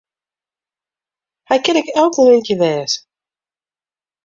Hy kin ek elk momint hjir wêze.